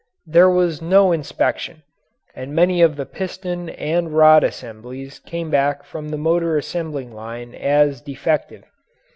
There was no inspection, and many of the piston and rod assemblies came back from the motor assembling line as defective.